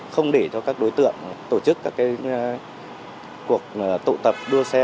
không để cho các đối tượng tổ chức các cuộc tụ tập đua xe